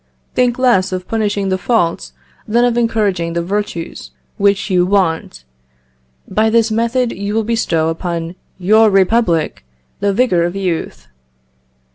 Think lees of punishing the faults than of encouraging the virtues which you want. By this method you will bestow upon your republic the vigour of youth.